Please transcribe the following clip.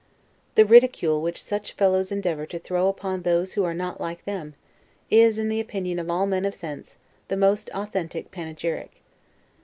The ridicule which such fellows endeavor to throw upon those who are not like them, is, in the opinion of all men of sense, the most authentic panegyric.